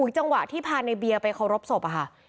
จังหวะที่พาในเบียร์ไปเคารพศพค่ะ